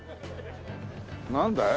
なんだい？